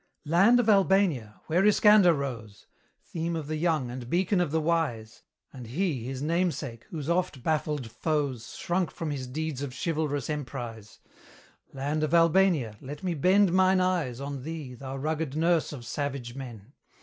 Land of Albania! where Iskander rose; Theme of the young, and beacon of the wise, And he his namesake, whose oft baffled foes, Shrunk from his deeds of chivalrous emprise: Land of Albania! let me bend mine eyes On thee, thou rugged nurse of savage men!